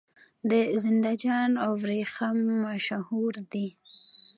د زنده جان وریښم مشهور دي